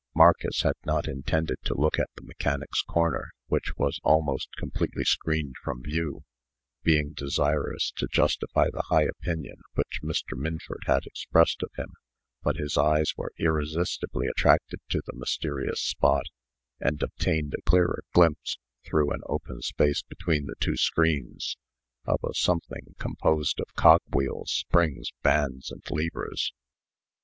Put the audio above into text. Marcus had not intended to look at the mechanic's corner, which was almost completely screened from view, being desirous to justify the high opinion which Mr. Minford had expressed of him; but his eyes were irresistibly attracted to the mysterious spot, and obtained a clearer glimpse, through an open space between the two screens, of a something composed of cogwheels, springs, bands, and levers.